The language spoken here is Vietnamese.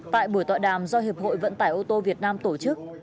tại buổi tọa đàm do hiệp hội vận tải ô tô việt nam tổ chức